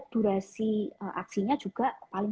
durasi aksinya juga paling